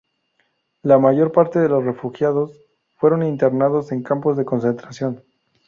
La mayor parte de los refugiados fueron internados en campos de concentración.